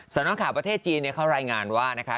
สำนักข่าวประเทศจีนเขารายงานว่านะคะ